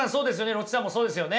ロッチさんもそうですよね。